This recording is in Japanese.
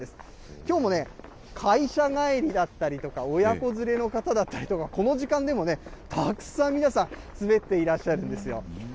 きょうも会社帰りだったりとか、親子連れの方だったりとか、この時間でもね、たくさん皆さん、滑っていらっしゃるんですよ。